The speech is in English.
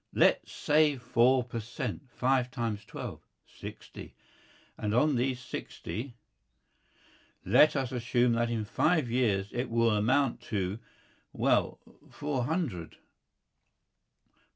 Let's say four per cent five times twelve sixty, and on these sixty . Let us assume that in five years it will amount to well, four hundred.